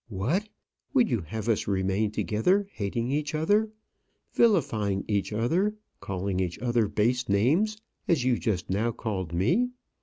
"What! would you have us remain together, hating each other, vilifying each other, calling each other base names as you just now called me?